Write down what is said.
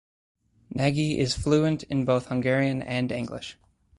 Nagy is fluent in both Hungarian and English.